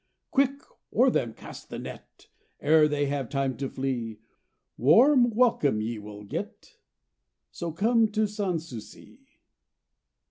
"Quick! o'er them cast the net, Ere they have time to flee! Warm welcome ye will get, So come to Sans souci!